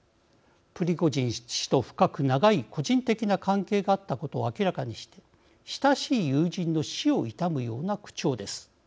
プリゴジン氏と深く長い個人的な関係があったことを明らかにして親しい友人の死を悼むような口調です。